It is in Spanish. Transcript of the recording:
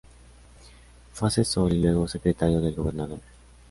Fue asesor y luego secretario del gobernador.